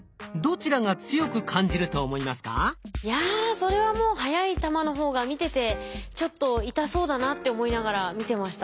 いやそれはもう速い球の方が見てて「ちょっと痛そうだな」って思いながら見てました。